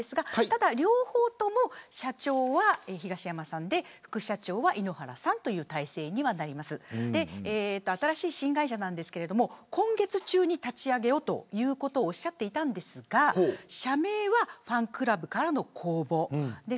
ただ両方とも社長は東山さんで副社長は井ノ原さんという体制にはなります新しい新会社なんですが今月中に立ち上げをということをおっしゃっていましたが社名はファンクラブからの公募。